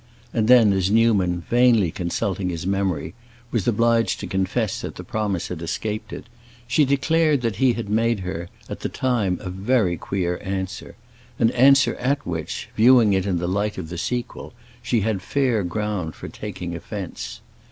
And then, as Newman, vainly consulting his memory, was obliged to confess that the promise had escaped it, she declared that he had made her, at the time, a very queer answer—an answer at which, viewing it in the light of the sequel, she had fair ground for taking offense.